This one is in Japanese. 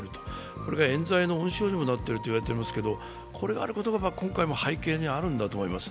これがえん罪の温床にもなっていると言われていますけれども、これも今回の背景にあるんじゃないかと思います。